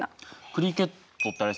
クリケットってあれですよね